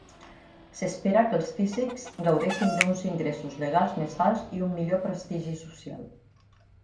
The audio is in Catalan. S'espera que els físics gaudeixen d'uns ingressos legals més alts i un millor prestigi social.